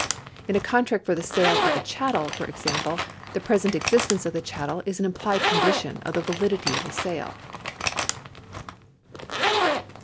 In a contract for the sale of a chattel, for example, the present existence of the chattel is an implied condition of the validity of the sale.